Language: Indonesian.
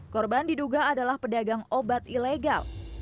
korban diduga adalah pedagang obat ilegal